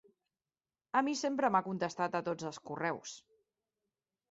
A mi sempre m’ha contestat a tots els correus.